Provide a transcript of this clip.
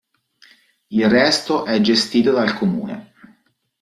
Il resto è gestito dal Comune.